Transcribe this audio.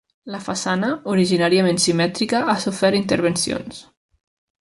La façana, originàriament simètrica, ha sofert intervencions.